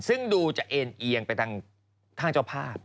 ซึ่งดูจะเอ็นเอียงไปทางเจ้าภาพ